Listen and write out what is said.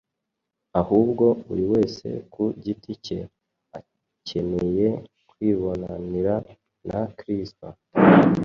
ahubwo buri wese ku giti cye akeneye kwibonanira na Kristo